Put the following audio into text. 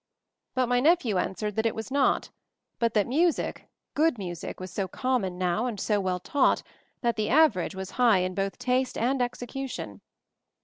But my nephew ans wered that it was not, but that music — good music — was so common now, and so well taught, that the average was high in both taste and execution.